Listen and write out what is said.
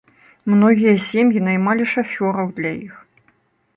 Многія сем'і наймалі шафёраў для іх.